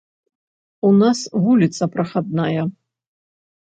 У нас вуліца прахадная.